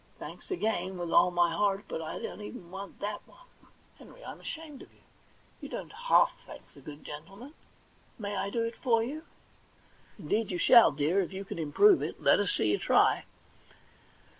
* Thanks again, with all my heart ; but I don't even want that one.' * Henry, I'm ashamed of you. You don't half thank the good gentleman. May I do it for you?' * Indeed you shall, dear, if you can improve it. Let us see you try.'